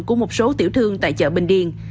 của một số tiểu thương tại chợ bình điện